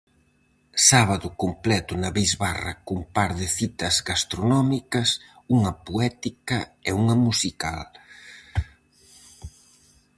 Sábado completo na bisbarra cun par de citas gastronómicas, unha poética e unha musical.